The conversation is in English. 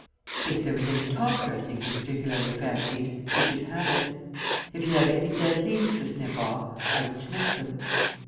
If there was any top dressing he particularly fancied, he should have it. If he had any dead leaves to snip off, I would snip them.